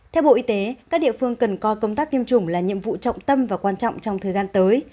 theo bộ y tế các địa phương cần coi công tác tiêm chủng là nhiệm vụ trọng tâm và quan trọng trong thời gian tới